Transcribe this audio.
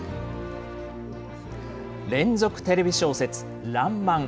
連続テレビ小説、らんまん。